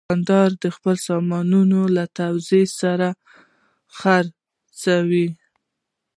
دوکاندار خپل سامانونه له تواضع سره خرڅوي.